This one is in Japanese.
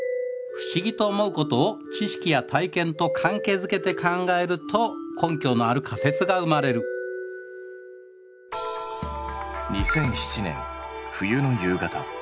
不思議と思うことを知識や体験と関係づけて考えると根拠のある仮説が生まれる２００７年冬の夕方。